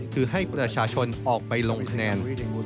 คือให้ประชาชนออกไปลงคะแนน